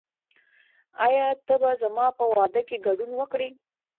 آیا ته به زما په واده کې ګډون وکړې؟